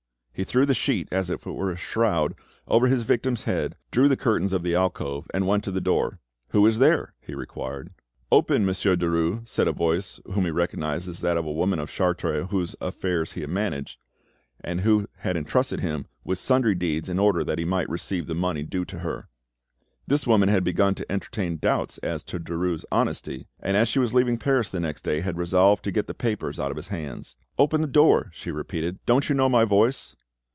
He threw the sheet, as if it were a shroud, over his victim's head drew the curtains of the alcove, and went to the door. "Who is there?" he inquired. "Open, Monsieur Derues," said a voice which he recognised as that of a woman of Chartres whose affairs he managed, and who had entrusted him with sundry deeds in order that he might receive the money due to her. This woman had begun to entertain doubts as to Derues' honesty, and as she was leaving Paris the next day, had resolved to get the papers out of his hands. "Open the door," she repeated. "Don't you know my voice?"